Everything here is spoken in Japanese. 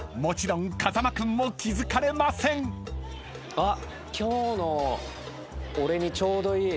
あっ！